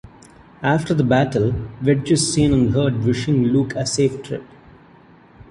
After the battle, Wedge is seen and heard wishing Luke a safe trip.